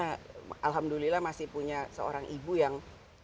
alhamdulillah masih punya seorang ibu yang